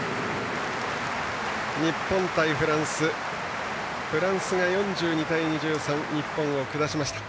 日本対フランスフランスが４２対２３で日本を下しました。